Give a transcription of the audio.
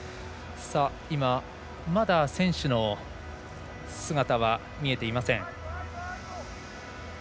まだ選手の姿は見えていません。